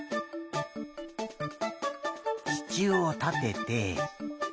しちゅうをたてて。